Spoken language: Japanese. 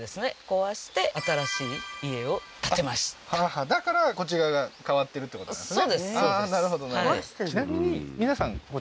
壊して新しい家を建てましただからこっち側が変わってるってことなんですね